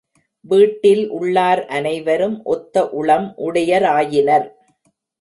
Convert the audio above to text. வீட்டில் உள்ளார் அனைவரும் ஒத்த உளம் உடைய ராயினர்.